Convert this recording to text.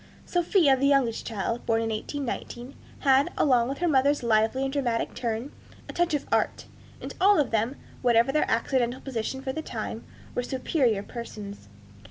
Sophia, the youngest child, born in 1819, had, along with her mother's lively and dramatic turn, a touch of art; and all of them, whatever their accidental position for the time, were superior persons.